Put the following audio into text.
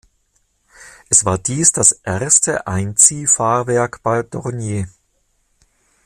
Es war dies das erste Einziehfahrwerk bei Dornier.